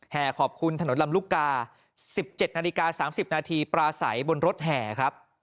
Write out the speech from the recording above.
แห่ขอบคุณถนนลำลูกกา๑๗นาฬิกา๓๐นาทีปราศัยบนรถแห่ครับ